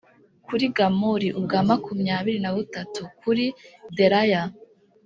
kuri Gamuli ubwa makumyabiri na butatu kuri Delaya